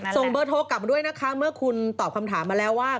ส่งเบอร์โทรกลับมาด้วยนะคะเมื่อคุณตอบคำถามมาแล้วว่า